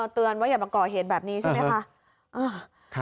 เตือนว่าอย่ามาก่อเหตุแบบนี้ใช่ไหมคะ